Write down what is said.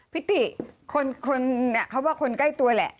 พี่ติคนเขาว่าคนใกล้ตัวแหละ